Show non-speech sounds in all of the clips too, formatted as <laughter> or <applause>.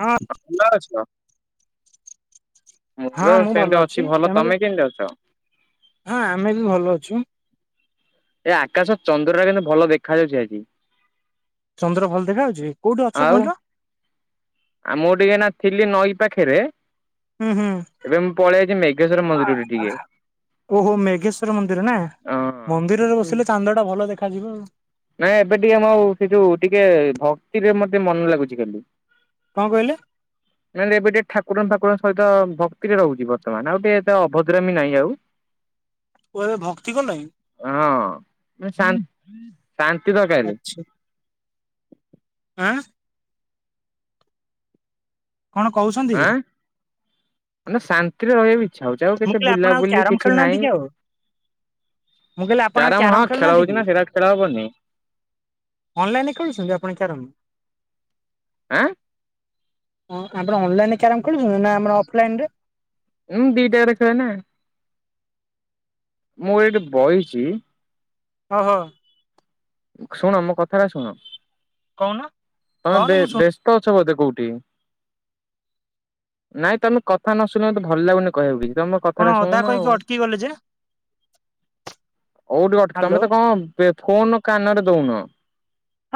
ହଁ। ଭଲ ଅଛ ହଁ ମୋର ମୁଁ ଭଲ ସେମିତି ଅଛି ଭଲ। କେ ତମେ କେମିତି ଅଛ। ହଁ ଆମେ ବି ଭଲ ଅଛୁ। ଏ ଆକାଶ ଚନ୍ଦ୍ରଟା କିନ୍ତୁ ଭଲ ଦେଖାଯାଉଛି ଆଜି। ଚନ୍ଦ୍ର ଭଲ ଦେଖାଯାଉଛି କୋଉଠି ଅଛ କହିଲ? ଆଉ ମୁଁ ଟିକେ ଏଇନା ଥିଲି ନଈ ପାଖରେ। ହୁଁ ହୁଁ। ଏବେ ମୁଁ ପଳେଇ ସେଠୀ ମେଘେଶ୍ୱର ଆ ମନ୍ଦିରରେ ଟିକେ। ଓହୋ ମେଘେଶ୍ଵର ମନ୍ଦିର ନା ହଁ। ମନ୍ଦିରରେ ବସିଲେ ଚାନ୍ଦ ଟା ଭଲ ଦେଖାଯିବ ଆଉ। ନାଇ ଏବେ ଟିକେ ଆମ ସେ ଯୋଉ ଟିକେ ଭକ୍ତିରେ ମତେ ମନ ଲାଗୁଛି ଖାଲି। କଣ କହିଲେ? ନାଇଁ ନାଇଁ ଏବେ ଟିକେ ଠାକୁର ଫାକୁରଙ୍କ ସହିତ ଭକ୍ତିରେ ରହୁଛି ବର୍ତ୍ତମାନ ଆଉ ଟିକେ ଏତେ ଅଭଦ୍ରାମୀ ନାହିଁ ଆଉ। କୁହାଯାଏ ଭକ୍ତି କଲଇଁ? ହଁ ଶାନ୍ତି ଦରକାରେ। ଆଚ୍ଛା ଆଁ? କଣ କହୁଛନ୍ତି? ଆଁ ମାନେ ଶାନ୍ତିରେ ରହିବାକୁ ଇଚ୍ଛା ହଉଛି ଆଉ ମୁଁ କେତେ କହିଲି ଆପଣ ଆଉ ବୁଲାବୁଲି କ୍ୟାରମ କିଛି ଖେଳୁନାହାନ୍ତି ନାହିଁ। କି ଆଉ ମୁଁ କହିଲି ଆପଣ ଆଉ କ୍ୟାରମ କ୍ୟାରମ ହଁ ଖେଳ ଖେଳୁନାହାନ୍ତି ହଉଛି କି? ନା ସେଇଟା ଖେଳ ହବନି। ଅନଲାଇନରେ ଖେଳୁଛନ୍ତି ଆପଣ କ୍ୟାରମ? ଆଁ? ହଁ ଆପଣ ଅନଲାଇନରେ କ୍ୟରାମ ଖେଳୁଛନ୍ତି ନା ଆମର ଅଫଲାଇନରେ? ମୁଁ ଦିଟାରେ ଖେଲେନା ମୁଁ ଏଇଠି ବଇଚି। ହଁ ହଁ ଶୁଣ ମୋ କଥା ଟା ଶୁଣ, କହୁନ ତମେ କହୁନ ବ୍ୟ ମୁଁ ଶୁ ବ୍ୟସ୍ତ ଅଛ ବୋଧେ କୋଉଠି? ନାଇଁ ତମେ କଥା ନ ଶୁଣ ମତେ ଭଲ ଲାଗୁନି କହିବାକୁ କିଛି ତମେ ମୋ କଣ କଥାଟା ଅଧା ଶୁଣୁନ କହିକି ଆଉ। ଅଟକି ଗଲେ ଯେ କୋଉଠି ଅଟକି ହ୍ୟାଲୋ ତମେ ତ କଣ ଫୋନ କାନରେ ଦଉନ।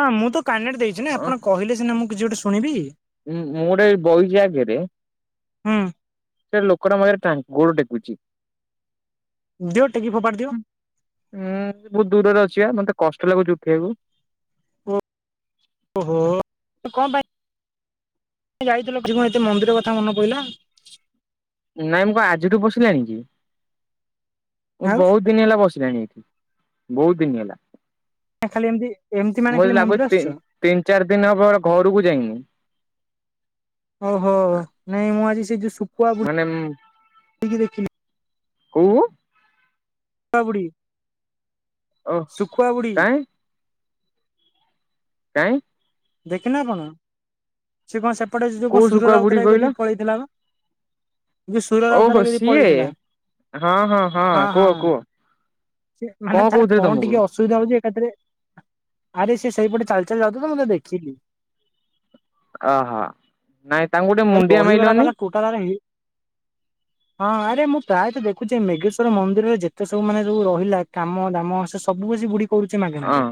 ହଁ ମୁଁ ତ କାନେଟ ଦେଇଛି ନା ଆପଣ କହିଲେ ସିନା ମୁଁ କିଛି ଗୋଟେ ଶୁଣିବି। ଉଁ ମୁଁ ଗୋଟେ ଆଗରେ ବଇଚି। ହୁଁ ସେ ଲୋକର ମୋ ଆଗରେ ଟାଣି ଗୋଡ ଟେକୁଛି। ଦିଅ ଟେକି ଫୋପାଡ଼ି ଦିଅ। ଉୁଁ ବହୁତ ଦୂରରେ ଅଛିିବା ମତେ କଷ୍ଟ ଲାଗୁଛି ଉଠେଇିବାକୁ ଓହୋ କଣ ପାଇଁ ଯାଇଥିଲ କିଣ ଏତେ ମନ୍ଦିର କଥା ମନ ପିଲା ନାଇଁ ମୁଁ ଆଜିଠୁ ବସିଲାଣି କି ମୁଁ ଆଉ ବହୁତ ବ ଦିନ ହେଲା ବସିଲାଣି ଏଇଠି ବହୁତ ଦିନ ହେଲା ନା ଖାଲି ଏମତି ଏମିତି ମାନେ ମତେ ଖାଲି ଲାଗୁଚି ମନ୍ଦିର ତିନ ଆସୁ ତିନି ଚାରି ଦିନ ହେବ ଘରକୁ ଯାଇନି ଓହୋ ନାଇଁ ମୁଁ ଆଜି ସେ ଯୋଉ ମାନେ ି ଦେଖିଲି କୁହ ୁ ଓ ଶୁଖୁଆ ବୁଡି କାଇଁ କାହିଁ ଦେଖିନେ ଆପଣ ସି କଣ ସେପଟେ ଯୋଉ କଣ କୋଉ ସୁର ଶୁଖୁଆ ବୁଢୀ ରାଉତରାୟ କହିଲ ଟିକେ ପଳେଇଥିଲା ନା ସୁର ଓହୋ ରାଉତାରେ ଯଦି ସିଏ ପଳେଇଥିଲା ହଁ ହଁ ହଁ କୁହ କୁହ ସେ ମାନେ ତାର କହୁଥିଲେ କଣ ତମକୁ ଟିକେ ଅ ଅସବିଧା ହଉଛି ଏକାଥରେ ଆରେ ସେ ସେଇପଟେ ଚାଲିଚଲି ଯାଉଛି ତ ମୁଁତେ ଦେଖିଲି ଓହୋ ନାଇଁ ତାଙ୍କୁ ଗୋଟେ ମୁଣ୍ଡିଆ ମାଇଲନି କ ର ହଁ ଆରେ ମୁଁ ପ୍ରାୟତଃ ଦେଖୁଛି ମେଘେଶ୍ଵର ମନ୍ଦିରରେ ଯେତେ ସବୁ ମାନ ସବଉ ରହିଲା କାମ ଦାମ ସେ ସବୁ ବେଶ ବୁଢ କଚ ହଁ ମାଗନାରେ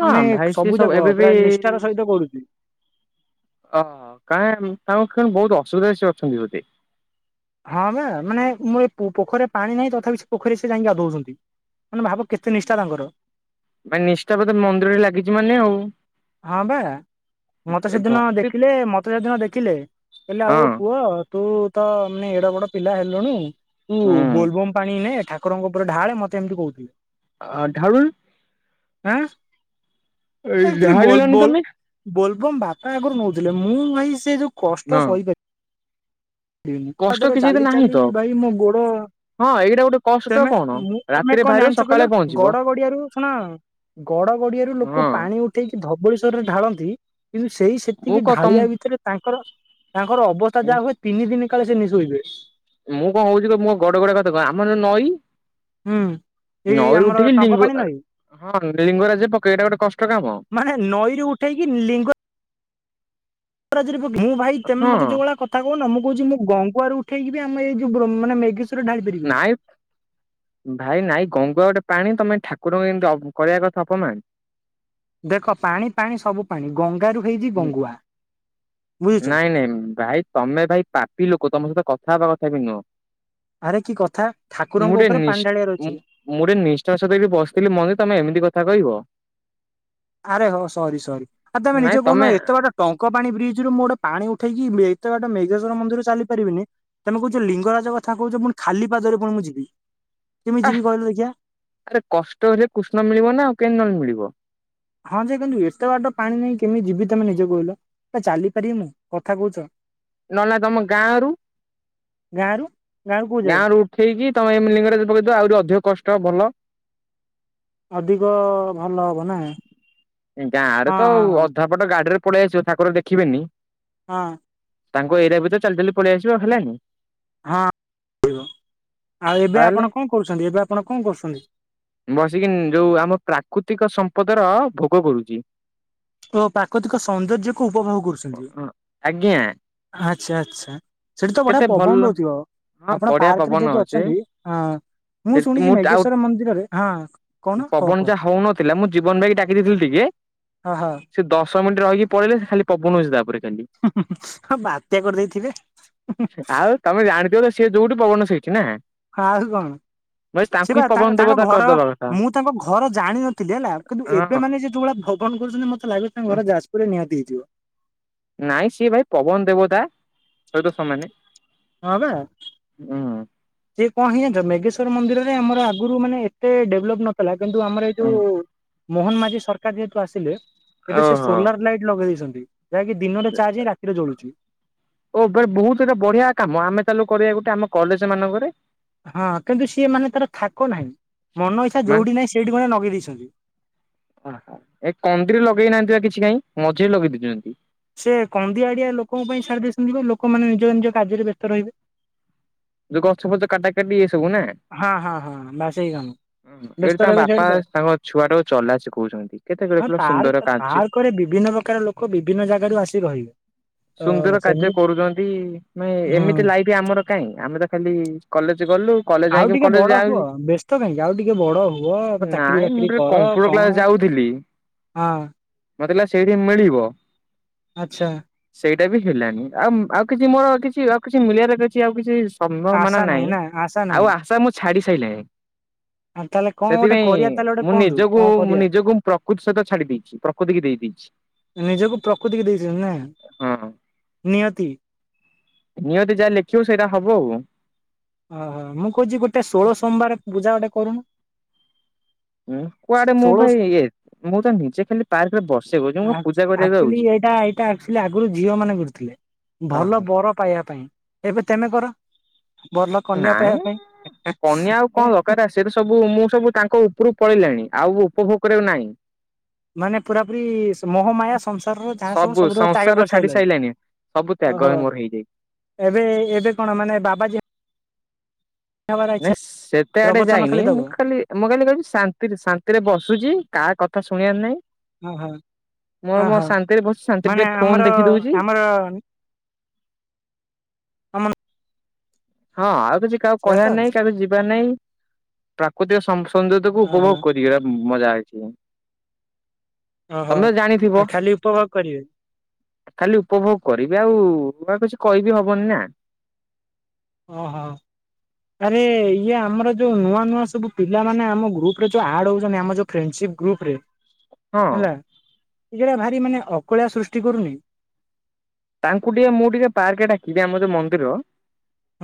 ହଁ ଭାଇ ସି ଯାକ ସବୁ ଏବେ ପୁରା ବି ନିଷ୍ଠାର ସହିତ କରୁଛି। ଅ କାଁ ତାଙ୍କ କଣ ବହୁତ ଅସୁବିଧାରେ ସେ ଅଛନ୍ତି ବୋଧେ ହଁ ବା ମାନେ ମୁଁ ଏ ପୋଖରରେ ପାଣି ନାହିଁ ତଥାପି ସେ ପୋଖରୀ ସେ ଯାଇି ଗା ଦଉଛନ୍ତି ମାନେ ଭାବ କେତେ ନିଷ୍ଠା ତାଙ୍କର ମାନେ ନିଷ୍ଠା ବଧେ ମନ୍ଦିରରେ ଲାଗିଛି ମାନେ ଆଉ ହଁ ବା ମୋତେ ଏ ସେଦିନ ଭକ୍ତି ଦେଖିଲେ ମତେ ସେଦିନ ଦେଖିଲେ କହିଲେ ଆଉ ହଁ ପୁଅ ତୁ ତ ମାନେ ଏଡ ବଡ ପିଲା ହେଲୁଣିୁ ତୁ ହୁଁ ବୋଲ ବୋମ ପାଣି ନେ ଠା ରଙ୍କ ଉପରେ ଢାଳେ ମତେମତି କହୁଥିଲେ ଅ ଧାରୁଣ ଆଁ ଢାଳିଲନି ତମେ ବୋଲବମ ବାପା ଆଗରୁ ନଉଥିଲେ ମୁଁ ଭାଇ ସେ ଯୋଉ ହଁ କଷ୍ଟ ସହିପାରି ତା କଷ୍ଟ ଦେରେ କିଛି ତ ଚାଲି ନାହିଁ ଚାଲି ତ ଭାଇ ମୋ ଗୋଡ ହଁ ଏଇଟା ଗୋଟେ କଷ୍ଟ ତମେ କଣ ମୁଁ ତମେ ରାତିରେ କଣ ବାହାରିବ ଜାଣିଛୁ ସକାଳେ କହିଲ ପହଞ୍ଚିବ ଗଡ ଗଡିଆରୁ ଶୁଣ ଗଡ ଗଡିଆରୁ ଲୋକ ହଁ ପାଣି ଉଠେଇକି ଧବଳି୍୍ୱରରେ ଢାଳନ୍ତି କିନ୍ତୁ ସେଇ ମୁଁ ସେତିକି କ ତମ ଢାଳିଆ ଭିତରେ ତାଙ୍କର ତାଙ୍କର ଅବସ୍ଥା ମୁଁ ଯାହା ହୁଏ ତିନି ଦିନ କାଳେ ସେ ନିଶୋଇଥିବେ ମୁଁ କଣ ହଉଛି କ ମୋ ଗଡ ଗୋଡ କଥାକୂ ଆମର ଜୋ ନଈ ହୁଁ। ଏଇ ନଇରୁ ଆମର ଉଠିକି ଟଙ୍କ ଲିଙ୍ଗ ପାାଣି ନଈ ହଁ ଲିଙ୍ଗରାଜ ପକେଇବା। ଏଇଟା ଗୋଟେ କଷ୍ଟ କାମ ମାନେ ନଈରୁ ଉଠେଇକି ଲିଙ୍ଗ <inaudible> ମୁଁ ଭାଇ ମତେ ହଁ ମେତେ ଜୋ ଭଳିଆ କଥ କଥା କହୁନ ମୁଁ କହୁଛି ମୁଁ ଗଁଙ୍ଗୁଆ ରୁ ଉଠେଇକି ଆମ ଏଇ ଯଉ <unintelligible> <inaudible> ନାଇଁ ଭାଇ ନାଇଁ ଗଙ୍ଗୁଆ ଗୋଟେ ପାଣି ତମେ ଠାକୁରଙ୍କୁ ଏମିତି କରିବା କଥା ଅପମାନ? ଦେଖ ପାଣି ପାଣି ସବୁ ପାଣି ଗଙ୍ଗାରୁ ହେଇଛି ଗଙ୍ଗୁଆ। ବୁଝୁଛ। ନାଇଁ ନାଇଁ ଭାଇ ତମେ ଭାଇ ପାପି ଲୋକ। ତମ ସହିତ କଥା ହେବା କଥା ବି ନୁହଁ। ଆରେ କି କଥା ମୁଁ ଠାକୁରଙ୍କ ଗୋଟେ ଉପରେ ନିଷ୍ ପାଣି ଢାଳିଆରେ ଅଛି। ମୁଁ ଟେ ନିଷ୍ଠାର ସହିତି ବସିଥିଲି ମନ୍ଦିର ତମେ ଏମିତି କଥା କହିବ? ଆରେ ହୋ ସରି ସରି ଆଉ ତମେ ନିଜ କହୁନ ଏତେ ବାଟ ଟଙ୍କପାଣି ବ୍ରିଜ ରୁ ମୁଁ ଗୋଟେ ପାଣି ଉଠେଇକି ଏତେବାଟ ମେଘେଶ୍ୱର ମନ୍ଦିର ଚାଲିପାରିବିନି? ତମେ କହୁଛ ଲିଙ୍ଗରାଜ କଥା କହୁଛ ପୁଣି ଖାଲି ପାଦରେ ପୁଣି ମୁଁ ଯିବି। କେମୀଟି ଆ ଯିବି କହିଲୁ ଦେଖିଆ। ଆରେ କଷ୍ଟ ହେଲେ କୃଷ୍ଣ ମିଳିବ ନା ଆଉ କେନ୍ଦୀ ନହେଲେ ମିଳିବ। ହଁ ଯେ କିନ୍ତୁ ଏତେ ବାଟ ପାଣି ନେଇଁ କେମିତି ଯିବି ତମେ ନିଜେ କହିଲ। ଏ ଚାଲି ପାରିବି ମୁୁ କଥା କହୁଛ। ନନା ତମ ଗାଁ ରୁ? ଗାଁ ରୁ ଗାଁ ରୁ ଉଠେଇକି ତମେ ଲିଙ୍ଗରାଜ <unintelligible> ଆହୁରି ଅଧିକ କଷ୍ଟ ଭଲ। ଅଧିକ ଭଲ ହବ ନା। ଗାଁ ରେ ତ ହଁ ଆଉ ହଁ ଅଧପଟ ଗାଡିରେ ପଳେଇ ଆସିବେ ଠାକୁର ଦେଖିବେନି। ହଁ ତାଙ୍କ ଏରିଆ ଭିତରେ ଚାଲି ଚାଲି ପଳେଇ ଆସିବ, ହେଲାଣି? ହଁ <unintelligible> ଆଉ ଏବେ ତାହେଲେ ଆପଣ କଣ କରୁଛନ୍ତି ଏବେ ଆପଣ କଣ କରୁସନ୍ତି? ବସିକି ଯୋଉ ଆମ ପ୍ରାକୃତିକ ସମ୍ପଦର ଭୋଗ କରୁଛି। ଓ ପ୍ରାକୃତିକ ସୌନ୍ଦର୍ଯ୍ୟକୁ ଉପଭୋଗ କରୁଛନ୍ତି। ଆଜ୍ଞା ଆଛା ଆଛା। ସେଠି ତ ବଢିଆ କେତେ ଭଲ ପବନ ଦଉଥିବ ହଁ ଆପଣ ବଢିଆ ପାର୍କ ରେ ପବନ ଜଉଟି ଅଛି। ଅଛନ୍ତି ଅଁ ସେ ମୁଁ ଶୁଣିଛି ଆଉ ମେଘେଶ୍ଵର ମନ୍ଦିରରେ, ହଁ କହୁନ କହ କୁହ। ଥିଲା ମୁଁ ଜୀବନ ଭାଇ ଡାକି ଦେଇଥିଲି ଟିକେ। ଅ ହ। ସେ ଦଶ ମିନିଟ ରହିକି ପଳେଇଲେ ଖାଲି ପବନ ହଉଛି ତାପରେ ଖାଲି। ବାତ୍ୟା କରିଦେଇଥିବେ। ଆଉ ତମେ ଜାଣିଥିବ ତ ସେ ଯଉଠି ପବନ ସେଇଠି ନା ଆଉ କଣ ବାସ୍ ସେ ତାଙ୍କୁ ବା ହିଁ ପବନ ତାଙ୍କ ତାଙ୍କ ଦେବତା ଘର କରିଦବା କଥା ମୁଁ ତାଙ୍କ ଘର ଜାଣିନଥିଲି ହେଲା କିନ୍ତୁ ଏବେ ହଁ। ମାନେ ଯେ ଯଉଭଳିଆ <unintelligible> କରୁଛନ୍ତି ମତେ ଲାଗୁଚି ତାଙ୍କ ଘର ଯାଜପୁରରେ ନିହାତି ହେଇଥିବ। ନାଇଁ ସିଏ ଭାଇ ପବନ ଦେବତା ସହିତ ସମାନେ। ହଁ ବା। ହୁଁ। ସେ କଣ ହେଇଚି ଜାଣିଚ ମେଗେଶ୍ୱର ମନ୍ଦିରରେ ଆମ ଆଗରୁ ମାନେ ଏତେ ଡେଭଲପ ନ ଥିଲା କିନ୍ତୁ ଆମର ଏଇ ହୁଁ। ଯଉ ମୋହନ ମାଝି ସରକାର ଯେହେତୁ ଆସିଲେ ଏବେ ସେ ଓହୋ। ସୋଲାର ଲାଇଟ ଲଗେଇ ଦେଇଛନ୍ତି ଯାହାକି ଦିନରେ ଚାର୍ଜ ହେଇ ରାତିରେ ଜଳୁଛି। ଓ ବହୁତ ଗୋଟେ ବଢିଆ କାମ ଆମେ ତାହଲେ କରିବା ଗୋଟେ ଆମ କଲେଜ ମାନଙ୍କରେ। ହଁ କିନ୍ତୁ ସିଏ ମାନେ ତାର ଥାକ ନାହିଁ ମନ ଇଚ୍ଛା ମାନ ଯୋଉଠି ନାହିଁ ସେଇଠି କଣ ନଗେଇ ଦେଇଛନ୍ତି। ଓହୋ ଏ କନ୍ଦିରି ଲଗେଇ ନାହାନ୍ତି ବା କିଛି କାଇଁ ମଝିରେ ଲଗେଇ ଦେଇଛନ୍ତି। ସେ କନ୍ଦିଆ ଆଡିଆ ଲୋକଙ୍କ ପାଇଁ ସାରି ଦେଇଶନ୍ତି ବା ଲୋକମାନେ ନିଜ ନିଜ କାର୍ଯ୍ୟରେ ବ୍ୟସ୍ତ ରହିବେ। ଯୋଉ ଗଛ ଫଛ କଟା କାଟି ଏ ସବୁ ନା? ହଁ, ହଁ, ହଁ ବାସ ଏଇ କାମ। ହଁ ବ୍ୟସ୍ତ ଏଇଠି ତାଙ୍କ ରହିବେ ବାପା ସେଇଠି ତ। ତାଙ୍କ ଛୁଆଟାକୁ ଚଲା ଶିଖଉଚନ୍ତି କେତେ ହଁ ଦେଖଲ ସୁନ୍ଦର କା ପାର୍କ ରେ ବିଭିନ୍ନ ପ୍ରକାର ଲୋକ ବିଭିନ୍ନ ଜାଗାରୁ ଆସି ରହିବେ। ତ ସୁନ୍ଦର କାର୍ଯ୍ୟ ସେମିତି କରୁଛନ୍ତି ନେ ହୁଁ ଏମିତି ଲାଇଟ୍ ଆମର କାହିଁ ଆମେ ତ ଖାଲି କଲେଜ ଗଲୁ। କଲେଜ ଆଉ ଯାଇକି ଟିକେ କଲେଜ ବଡ ଯାଉ ହୁଅ ବ୍ୟସ୍ତ କାହିଁକି ଆଉ ଟିକେ ବଡ ହୁଅ ଚାକିରି ନାଇଁ ମୁଁ ବାକିରି ଟିକେ କର କମ୍ପ୍ୟୁଟର କ ଯାଉଥିଲି। ହଁ। ମତେ ଲା ସେଇ ରୁମ ମିଳିବ। ଆଚ୍ଛା। ସେଇଟା ବି ହେଲାନି ଆଉ ମ ଆଉ କିଛି ମୋର କିଛି ଆଉ କିଛି ମିଳିବାରେ କିଛି ଆଉ କିଛି ସମ୍ଭାମାନା ଆଶା ନାହିଁ ନାଇଁ ନା ଆଶା ଆଉ ନାହିଁ। ଆଶା ମୁଁ ଛାଡି ସାଇଲିଣି। ଆଉ ତାହେଲେ କଣ ଗୋଟେ ସେଥିପାଇଁ କରିବା ତାହେଲେ ଗୋଟେ ମୁଁ କୁହନ୍ତୁ ନିଜକୁ କଣ ମୁଁ କରିବା ନିଜକୁ ପ୍ରକୃତି ସହିତ ଛାଡି ଦେଇଛି ପ୍ରକୃତି କି ଦେଇ ଦେଇଛି। ନିଜକୁ ପ୍ରକୃତିକୁ ଦେଇଛନ୍ତି ନା ହଁ ନିହାତି ନିହାତି ଯାହା ଲେଖିବ ସେଇଟା ହବ ଆଉ ଅହୋ ମୁଁ କହୁଛି ଗୋଟେ ଷୋହଳ ସୋମବାର ପୂଜା ଗୋଟେ କରୁନୁ ଉଁ କୁଆଡେ ମୁଁ ଷୋଳ ପା ଇଏ ମୁଁ ତ ନିଜେ ଖାଲି ପାର୍କ ରେ ବସେ ଗାଉଛି ମୁଁ ପୂଜା କରିବାକୁ ଯାଉଛି ଟା ଆକ୍ଚୁଲି ଆଗରୁ ଝିଅ ମାନେ କରୁଥିଲେ ଭଲ ଓହୋ ବର ପାଇବା ପାଇଁ ଏବେ ତେମେ କର ଭଲ କନ୍ୟା ନାଇଁ ପାଇବା ପାଇଁ ସେତ ସବୁ ମୁଁ ସବୁ ତାଙ୍କ ଉପରୁ ପଳେଇଲିଣି ଆଉ ଉପଭୋଗ କରିବାକୁ ନାହିଁ ମାନେ ପୁରା ପୁରୀ ମୋହମାୟା ସଂସାରରୁ ଯାହା ସବୁ ସବୁୁର ତ୍ୟାଗ ସଂସାର ଛାଡି କରିସାରିଲଣି ସାରିଲାଣି ସବୁ ତ୍ୟାଗ ଓହୋ। ହେ ମୋର ହେଇଯାଇଛି ଏବେ ଏବେ କଣ ମାନେ ବାବାଜୀ ହବାର ଇଚ୍ଛା ନାଇ ସେତେ ଆଡେ ପ୍ରବଚନ ଯାଇନି ଦବ ମୁଁ ଖାଲି ମୁଁ କହିଲି କହିବି ଶାନ୍ତିରେ ଶାନ୍ତିରେ ବସୁଛି କାହା କା ଶୁଣିବାର ନାହିଁ ଓହୋ ମୋର ମୋର ଓହୋ ଶାନ୍ତିରେ ବସିଛି ଶାନ୍ତିରେ ଟିକେ ଫୋନ ଦେଖି ଦଉଛି ଆ ଆମ ହଁ ଆଉ କିଛି କାହାକୁ ସେଆ କହିବା ତ ନାଇଁ କାହାକୁ ଯିବା ନାହିଁ ପ୍ରାକୃତିକ ସଂସ ସୌନ୍ଦର୍ଯ୍ୟକୁ ଓହୋ ଉପଭୋଗ କରିବା ମଜା ଆ ଓହୋ ତମେ ଜାଣିଥିବ ଆ ଖାଲି ଉପଭୋଗ କରିବେ ଖାଲି ଉପଭୋଗ କରିବେ ଆଉ କିଛି କହିବି ହବନି ନା ଓହୋ ଆରେ ଇଏ ଆମର ଯୋଉ ନୂଆ ନୂଆ ସବୁ ପିଲାମାନେ ଆମ ଗ୍ରୁପ ରେ ଯୋଉ ଆଡ ହଉଛନ୍ତି ଆମ ଯୋଉ ଫ୍ରେଣ୍ଡସିପ୍ ଗ୍ରୁପ ରେ ହଁ ହେଲା ଏ ଯେଟା ଭାରି ମାନେ ଅକଳିଆ ସୃଷ୍ଟି କରୁନି ତାଙ୍କୁ ଟିକେ ମୁଁ ଟିକେ ପାର୍କ ଡାକିବି ଆମ ଯେଉ ମନ୍ଦିର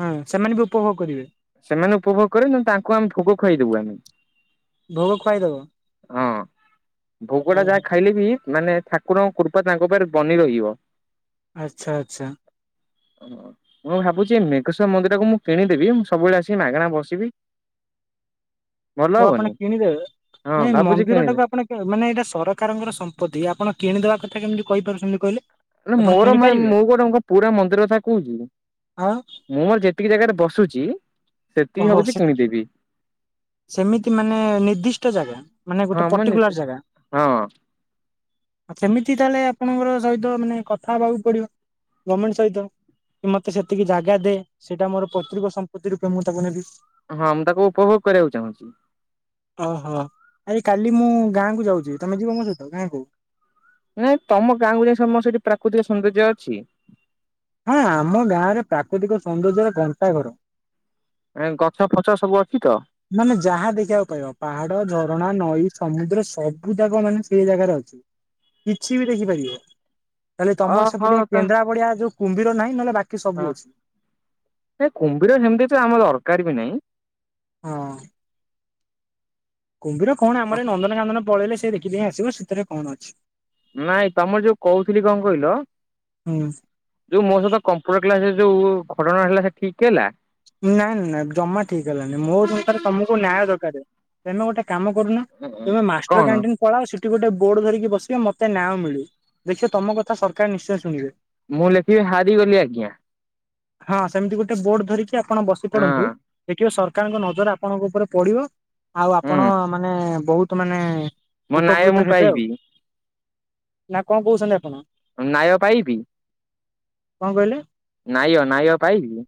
ହଁ ସେମାନେ ବି ଉପଭୋଗ କରିବେ ସେମାନେ ଉପଭୋଗ କରିବେ ନହେଲେ ତାଙ୍କୁ ଆମେ ଭୋଗ ଖୁଆଇଦବୁ ଆମେ ଭୋଗ ଖୁଆଇଦବ ହଁ ଭୋଗ ଟା ଯାହା ଓହୋ ଖାଇଲେ ବି ମାନେ ଠା କୁର କୃପା ତାଙ୍କ ଉପରେ ବନି ରହିବ ଆଚ୍ଛା ଆଚ୍ଛା ଓ ମୁଁ ଭାବୁଛି ମେଘସ ମନ୍ଦିର କୁ ମୁଁ କିଣିଦେବି ସବୁବେଳେ ଆସି ମାଗଣା ବସିବି ଭଲ ଆଉ ଆପଣ ହବନି କିଣିଦେବେ ହଁ ନାଇ ଭାବୁଛି ମନ୍ଦିର କିଣିବି ଟାକୁ ଆପଣ ମାନେ ଏଇଟା ସରକାରଙ୍କର ସମ୍ପତ୍ତି ଆପଣ କିଣିଦବା କଥା କେମିତି କହିପାରୁଛନ୍ତି କହିଲେ ନ ଆପଣ ମୋର କିଣି ପାରିବେ ମୁଁ ଗୋଟେ ପୁରା ମନ୍ଦିର କଥା କହୁଛି ଆଉ ମୁଁ ମୋର ଯେତିକି ଜାଗାରେ ବସୁଛି ସେତିକି ଓହୋ ଭାବୁଛି ସେ କିଣିଦେବି ସେମିତି ମାନେ ନିର୍ଦ୍ଦିଷ୍ଟ ଜାଗା ମାନେ ହଁ ଗୋଟେ ମୁଁ ନି ପର୍ଟିକୁଲାର ଜାଗା ହଁ ସେମିତି ତାହେଲେ ଆପଣଙ୍କର ସହିତ ମାନେ କଥା ହେବାକୁ ପଡିବ ଗମେଣ୍ଟ ସହିତ କି ମତେ ସେତିକି ଜାଗା ଦେ ସେଇଟା ମୋର ପୈତୃକ ସମ୍ପତ୍ତିରୁ ପେ ମୁ ତାକୁ ନେବି ହଁ ମୁଁ ତାକୁ ଉପଭୋଗ କରିବାକୁ ଚାହୁଁଚି। ଓହୋ ଆରେ କାଲି ମୁଁ ଗାଁକୁ ଯାଉଚି ତମେ ଯିବ ମୋ ସହିତ ଗାଁକୁ? ନାଇଁ ତମ ଗାଁକୁ ଯାଇ ସମ ସେଇଠି ପ୍ରାକୃତିକ ସୌନ୍ଦର୍ଯ୍ୟ ଅଛି? ହଁ ଆମ ଗାଁରେ ପ୍ରାକୃତିକ ସୌନ୍ଦର୍ଯ୍ୟର ଗନ୍ତାଘର। ଏ ଗଛ ଫଛ ସବୁ ଅଛି ତ? ମାନେ ଯାହା ଦେଖିବାକୁ ପାଇବ ପାହାଡ, ଝରଣା, ନଈ, ସମୁଦ୍ର, ସବୁ ଜାକ ମାନେ ସେଇ ଜାଗାରେ ଅଛି। କିଛି ବି ଦେଖିପାରିବ। ହେଲି ତମର ଓହୋ ସେପଟିଆ ତ କେନ୍ଦ୍ରାପଡିଆ ଯୋଉ କୁମ୍ଭୀର ନାହିଁ ନହେଲେ ବାକି ସବୁ ଅଛି। ନାଇଁ କୁମ୍ଭୀର ସେମିତି କିଛି ଆମର ଦରକାର ବି ନାଇଁ। ହଁ। କୁମ୍ଭୀର କଣ ଆମର ଏ ନନ୍ଦନକାନନ ପଳେଇଲେ ସେ ଦେଖିଦେଇ ଆସିବ ସେଥିରେ କଣ ଅଛି। ନାଇଁ ତମର ଯୋଉ କହୁଥିଲି କଣ କହିଲ ହୁଁ ଯୋଉ ମୋ ସହିତ କମ୍ପ୍ୟୁଟର କ୍ଲାସରେ ଯୋଉ ଘଟଣା ହେଲା ସେ ଠିକ ହେଲା। ନାଇଁ ନା ନାଇଁ ଜମା ଠିକ ହେଲାନି ମୋ ଅନୁସାରେ ତମକୁ ନ୍ୟାୟ ଦରକାରେ ତେମେ ଗୋଟେ କାମ କରୁନ ତମେ ମାଷ୍ଟର କଣ କ୍ୟାଣ୍ଟିନ୍ ପଳାଅ ସେଠି ଗୋଟେ ବୋର୍ଡ ଧରିକି ବସିବେ ମତେ ନ୍ୟାୟ ମିଳୁ ଦେଖିବ ତମ କଥା ସରକାର ନିଶ୍ଚୟ ଶୁଣିବେ। ମୁଁ ଲେଖିବି ହାରିଗଲି ଆଜ୍ଞା। ହଁ ସେମିତି ଗୋଟେ ବୋଡ ଧରିକି ଆପଣ ବସି ହଁ ପଡନ୍ତୁ। ଦେଖିବେ ସରକାରଙ୍କ ନଜର ଆପଣଙ୍କ ଉପରେ ପଡିବ ଆଉ ଆପଣ ହୁଁ ମାନେ ବୋହୁତ ତ ମାନେ ମୋ ନ୍ୟାୟ ମୁଁ ଉପକୃତ ହେବେ ଆଉ ପାଇବି ନା କଣ କୋହୁଛନ୍ତି ଆପଣ। ନାାୟ ପାଇବି? କଣ କହିଲେ? ନ୍ୟାୟ ନ୍ୟାୟ ପାଇବି?